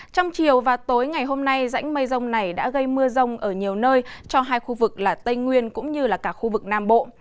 trong chiều và tối ngày hôm nay dãnh mây rông này đã gây mưa rông ở nhiều nơi cho hai khu vực là tây nguyên cũng như là cả khu vực nam bộ